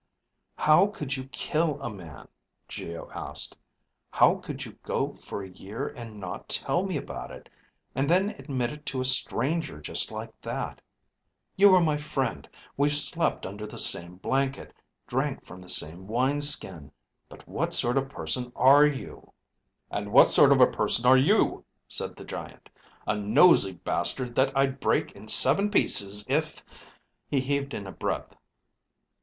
"How could you kill a man?" Geo asked. "How could you go for a year and not tell me about it, and then admit it to a stranger just like that? You were my friend, we've slept under the same blanket, drank from the same wineskin. But what sort of a person are you?" "And what sort of a person are you?" said the giant. "A nosy bastard that I'd break in seven pieces if ..." he heaved in a breadth.